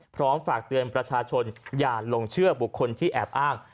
พร้อมฝากเตือนประชาชนอย่าลงเชื่อบุคคลที่แอบอ้าง